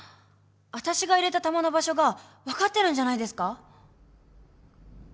わたしが入れた玉の場所が分かってるんじゃないですか？